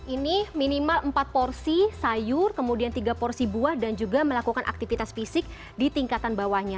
ini minimal empat porsi sayur kemudian tiga porsi buah dan juga melakukan aktivitas fisik di tingkatan bawahnya